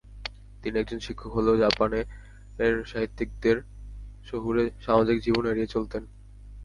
তিনি একজন শিক্ষক হলেও জাপানের সাহিত্যিকদের শহুরে সামাজিক জীবন এড়িয়ে চলতেন।